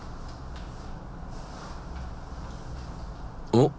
おっ！